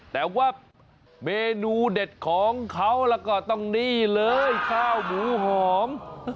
แต่ว่าเมนูเด็ดของเขาแล้วก็ต้องนี่เลยข้าวหมูหอม